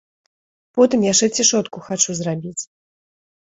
Потым яшчэ цішотку хачу зрабіць.